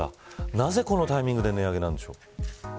なぜこのタイミングで値上げなんでしょうか。